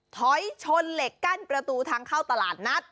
ถอยชนเหล็กกั้นประตูทางเข้าตลาดนัด